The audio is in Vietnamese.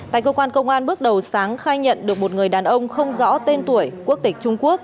tại cơ quan công an bước đầu sáng khai nhận được một người đàn ông không rõ tên tuổi quốc tịch trung quốc